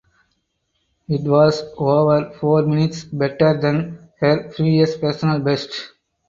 It was over four minutes better than her previous personal best.